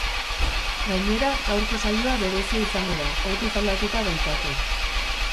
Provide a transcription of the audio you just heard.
Gainera gaurko saioa berezia ziango da, orduz aldatuta baitator.